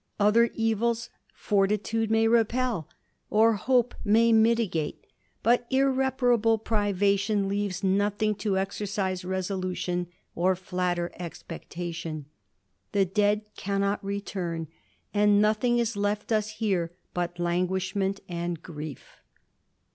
Other evils fortitude may repel, or hope may mitigate ; but irreparable privatiot^ leaves nothing to exercise resolution or flatter expectation The dead cannot return, and nothing is left us here bt* languishment and grief.